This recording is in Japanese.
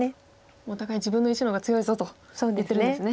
お互い自分の石の方が強いぞと言ってるんですね。